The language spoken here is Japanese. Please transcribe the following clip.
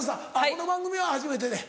この番組は初めてで。